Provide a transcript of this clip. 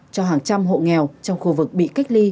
cho hàng trăm hộ nghèo trong khu vực bị cách ly